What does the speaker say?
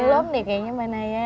belum nih kayaknya mbak naya